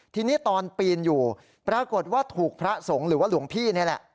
ทีนี้ตอนปีนอยู่ปรากฏว่าถูกพระสงฆ์หรือว่าหลวงพี่นี่แหละ